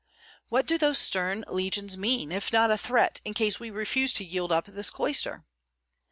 What do those stern legions mean, if not a threat in case we refuse to yield up this cloister?